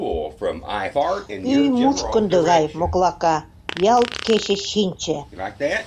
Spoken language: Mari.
Ӱй, мушкындо гай моклака, ялт кече чинче.